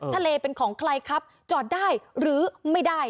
ทะเลเป็นของใครครับจอดได้หรือไม่ได้